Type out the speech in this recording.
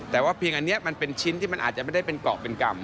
แต่ว่าเพียงอันนี้มันเป็นชิ้นที่มันอาจจะไม่ได้เป็นเกาะเป็นกรรม